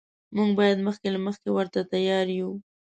موږ باید مخکې له مخکې ورته تیار یو.